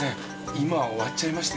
今終わっちゃいまして。